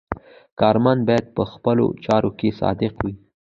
کارمند باید په خپلو چارو کې صادق وي.